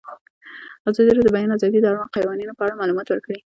ازادي راډیو د د بیان آزادي د اړونده قوانینو په اړه معلومات ورکړي.